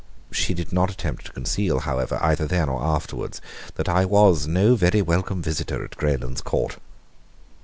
She did not attempt to conceal, however, either then or afterwards, that I was no very welcome visitor at Greylands Court.